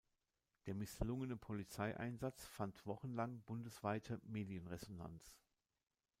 Der misslungene Polizeieinsatz fand wochenlang bundesweite Medienresonanz.